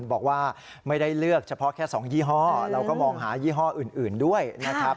บอกว่าไม่ได้เลือกเฉพาะแค่๒ยี่ห้อเราก็มองหายี่ห้ออื่นด้วยนะครับ